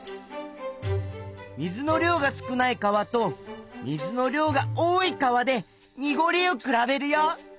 水の量が少ない川と水の量が多い川でにごりをくらべるよ。